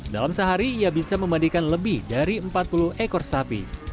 dalam sehari ia bisa memandikan lebih dari empat puluh ekor sapi